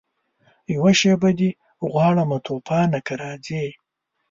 یوه شېبه دي غواړمه توپانه که راځې